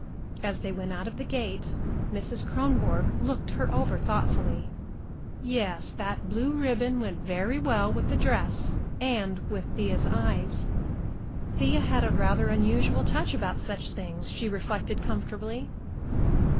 As they went out of the gate, Mrs. Kronborg looked her over thoughtfully. Yes, that blue ribbon went very well with the dress, and with Thea's eyes. Thea had a rather unusual touch about such things, she reflected comfortably.